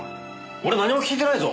俺何も聞いてないぞ。